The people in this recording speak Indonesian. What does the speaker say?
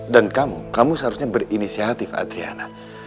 dan kamu kamu seharusnya berinisiatif adriana